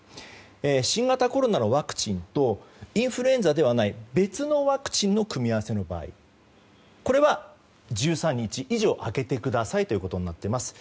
新型コロナのワクチンとインフルエンザではない別のワクチンの組み合わせの場合これは１３日以上空けてくださいということになっています。